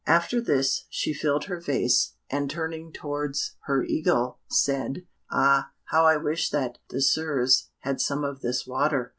After this she filled her vase, and, turning towards her eagle, said, "Ah, how I wish that Désirs had some of this water!"